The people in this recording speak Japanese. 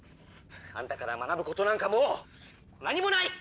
あんたから学ぶことなんかもう何もない！